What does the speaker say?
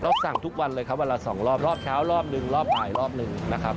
สั่งทุกวันเลยครับวันละสองรอบรอบเช้ารอบหนึ่งรอบบ่ายรอบหนึ่งนะครับ